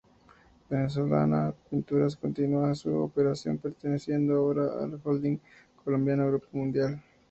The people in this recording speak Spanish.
Venezolana de Pinturas continúa su operación, perteneciendo ahora al Holding Colombiano, Grupo Mundial.